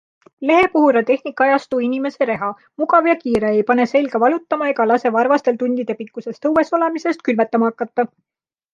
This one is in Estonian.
Lehepuhur on tehnikaajastu inimese reha - mugav ja kiire, ei pane selga valutama ega lase varvastel tundide pikkusest õues olemisest külmetama hakata.